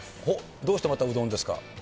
どうしてまた、うどんですか？